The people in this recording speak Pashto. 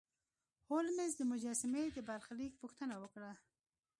هولمز د مجسمې د برخلیک پوښتنه وکړه.